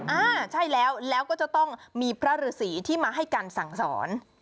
อ่าใช่แล้วแล้วก็จะต้องมีพระฤษีที่มาให้กันสั่งสอน